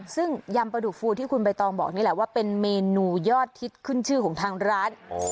ซึ่งยำปลาดุกฟูที่คุณใบตองบอกนี่แหละว่าเป็นเมนูยอดฮิตขึ้นชื่อของทางร้าน